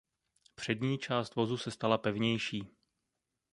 Přední část vozu se stala pevnější.